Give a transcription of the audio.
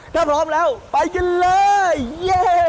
ถ้าพร้อมแล้วไปกันเลยเย่